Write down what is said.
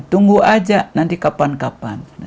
tunggu aja nanti kapan kapan